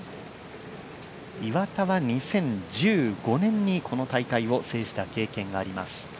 岩田は２０１５年にこの大会を制した経験があります。